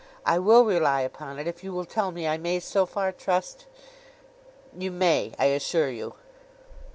I will rely upon it, if you will tell me I may so far trust—' 'You may, I assure you.